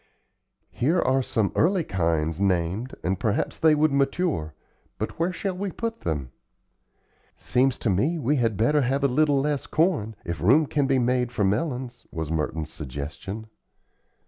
"Here are some early kinds named and perhaps they would mature; but where shall we put them?" "Seems to me we had better have a little less corn, if room can be made for melons," was Merton's suggestion.